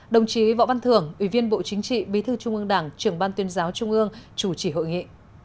đồng chí võ văn thưởng ủy viên bộ chính trị bí thư trung ương đảng trưởng ban tuyên giáo trung ương chủ trì hội nghị